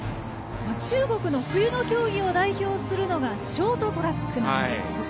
中国の冬の競技を代表するのがショートトラックなんです。